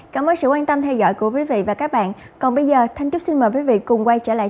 cảm ơn các bạn đã theo dõi và hẹn gặp lại